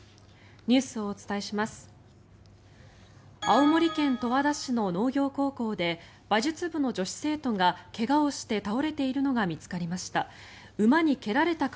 青森県十和田市の農業高校で馬術部の女子生徒が怪我をして倒れているのが見つかりました。